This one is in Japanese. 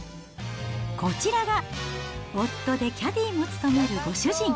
こちらが夫でキャディも務めるご主人。